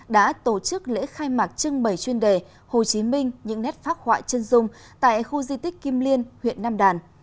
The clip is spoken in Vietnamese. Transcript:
đã tổ chức lễ khai mạc trưng bày chuyên đề hồ chí minh những nét phác họa chân dung tại khu di tích kim liên huyện nam đàn